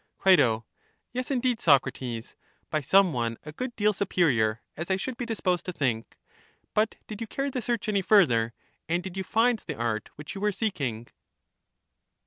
Cri. Yes, indeed, Socrates, by some one a good deal superior, as I should be disposed to think. But did you carry the search any further, and did you find the art which you were seeking?